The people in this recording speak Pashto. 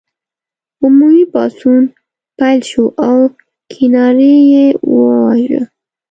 عمومي پاڅون پیل شو او کیوناري یې وواژه.